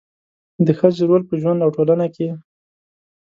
د ښځې رول په ژوند او ټولنه کې